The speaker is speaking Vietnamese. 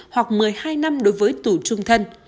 hoặc một mươi hai năm đối với tù trung thân